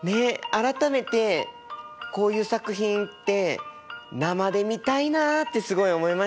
改めてこういう作品って生で見たいなってすごい思いましたね。